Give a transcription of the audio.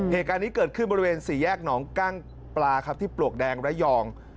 เหตุการณ์นี้เกิดขึ้นบริเวณสี่แยกหนองกั้งปลาครับที่ปลวกแดงระยอง